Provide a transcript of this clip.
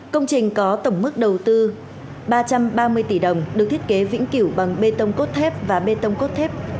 công trình có tổng mức đầu tư ba trăm ba mươi tỷ đồng được thiết kế vĩnh cửu bằng bê tông cốt thép và bê tông cốt thép